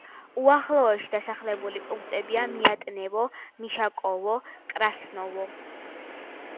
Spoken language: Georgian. უახლოესი დასახლებული პუნქტებია: მიატნევო, მიშაკოვო, კრასნოვო.